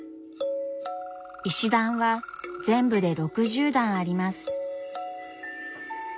石段は全部で６０段あります。